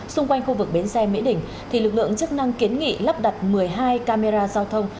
xung quanh khu vực bến xe mỹ đình thì lực lượng chức năng kiến nghị lắp đặt một mươi hai camera giao thông